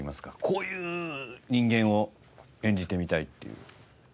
こういう人間を演じてみたいっていう。